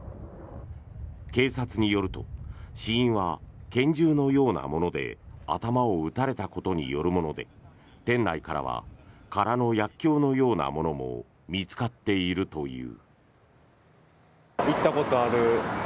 警察によると死因は拳銃のようなもので頭を撃たれたことによるもので店内からは空の薬きょうのようなものも見つかっているという。